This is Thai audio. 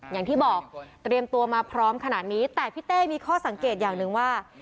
อย่างที่บอกเตรียมตัวมาพร้อมขนาดนี้แต่พี่เต้มีข้อสังเกตอย่างหนึ่งว่า